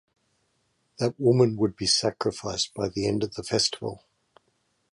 That woman would be sacrificed by the end of the festival.